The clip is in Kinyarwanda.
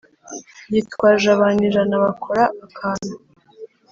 yitwaje abantu ijana bakora akantu